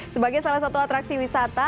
sebagai salah satu atraksi wisata